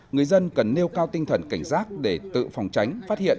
người dân cần nêu cao tinh thần cảnh giác để tự phòng tránh phát hiện